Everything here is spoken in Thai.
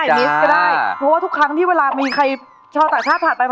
นิสก็ได้เพราะว่าทุกครั้งที่เวลามีใครชาวต่างชาติผ่านไป